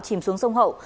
chìm xuống sông hậu